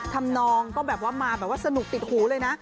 นองก็แบบว่ามาแบบว่าสนุกติดหูเลยนะ